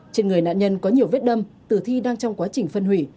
trên người nạn nhân có nhiều vết đâm tử thi đang trong quá trình phân hủy